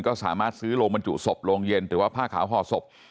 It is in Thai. ก็สามารถซื้อโรงบรรจุศพโรงเย็นหรือว่าผ้าขาวห่อศพ